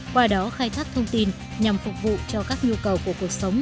qua đó khai thác thông tin nhằm phục vụ cho các nhu cầu của cuộc sống